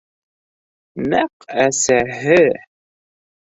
Нәҡ әсәһе.